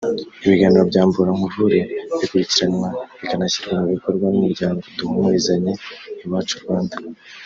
Ibiganiro bya Mvura nkuvure bikurikiranwa bikanashyirwa mu bikorwa n’Umuryango Duhumurizanye Iwacu-Rwanda